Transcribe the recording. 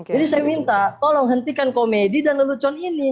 jadi saya minta tolong hentikan komedi dan lelucon ini